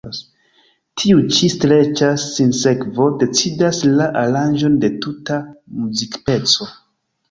Tiu ĉi streĉa sinsekvo decidas la aranĝon de tuta muzikpeco.